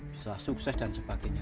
bisa sukses dan sebagainya